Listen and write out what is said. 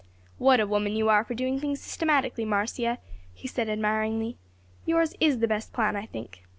"What a woman you are for doing things systematically, Marcia," he said, admiringly. "Yours is the best plan, I think.